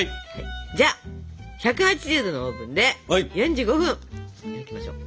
じゃあ１８０℃のオーブンで４５分焼きましょう。